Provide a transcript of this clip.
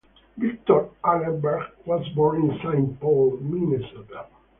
Victor Arneberg was born in Saint Paul, Minnesota.